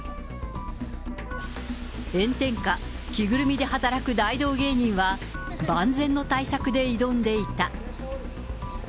炎天下、着ぐるみで働く大道芸人は、万全の対策で挑んでいた。